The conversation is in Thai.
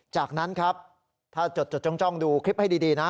จากนั้นครับถ้าจดจ้องดูคลิปให้ดีนะ